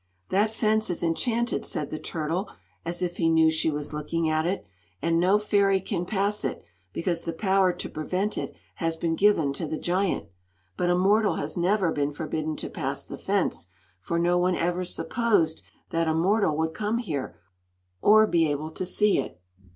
"That fence is enchanted," said the turtle, as if he knew she was looking at it; "and no fairy can pass it, because the power to prevent it has been given to the giant. But a mortal has never been forbidden to pass the fence, for no one ever supposed that a mortal would come here or be able to see it.